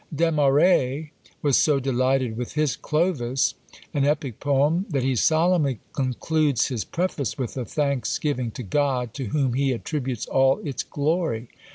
Desmarest was so delighted with his "Clovis," an epic poem, that he solemnly concludes his preface with a thanksgiving to God, to whom he attributes all its glory!